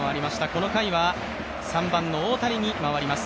この回は３番の大谷に回ります。